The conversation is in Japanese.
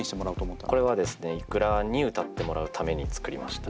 これはですねｉｋｕｒａに歌ってもらうために作りました。